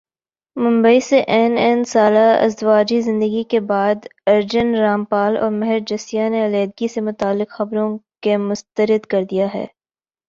ممبئی سی این این سالہ ازدواجی زندگی کے بعد ارجن رامپال اور مہر جسیہ نے علیحدگی سے متعلق خبروں کع مسترد کردیا ہے